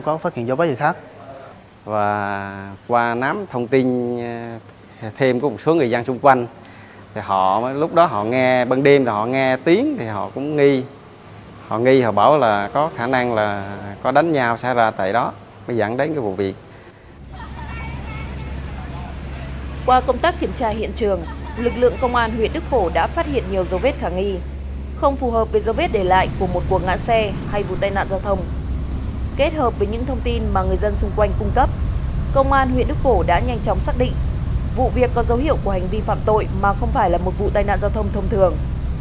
kết hợp với những thông tin mà người dân xung quanh cung cấp công an huyện đức phổ đã nhanh chóng xác định vụ việc có dấu hiệu của hành vi phạm tội mà không phải là một vụ tai nạn giao thông thông thường